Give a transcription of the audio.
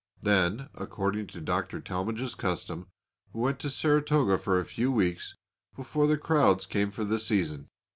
Then, according to Dr. Talmage's custom, we went to Saratoga for a few weeks before the crowds came for the season.